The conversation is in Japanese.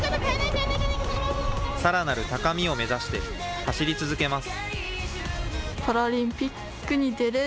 さらなる高みを目指して走り続けます。